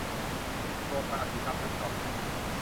ดวงตาสีดำลึกเหล่านั้น !